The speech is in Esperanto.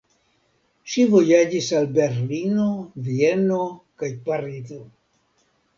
Ŝi vojaĝis al Berlino, Vieno kaj Parizo.